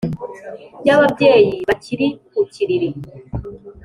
Y'ababyeyi bakiri ku kiriri